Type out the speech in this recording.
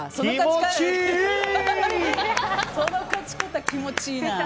その勝ち方、気持ちいいな。